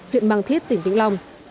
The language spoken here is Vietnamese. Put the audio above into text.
huyện mang thít tỉnh vĩnh long